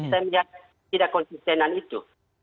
saya melihat tidak konsistenan itu